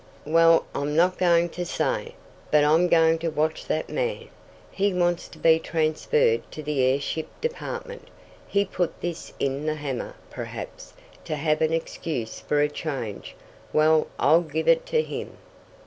"Well, I'm not going to say. But I'm going to watch that man. He wants to be transferred to the airship department. He put this in the hammer, perhaps, to have an excuse for a change. Well, I'll give it to him."